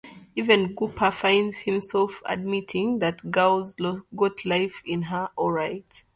Even Gooper finds himself admitting, That girl's got life in her, alright.